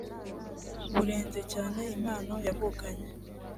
burenze cyane impano yavukanye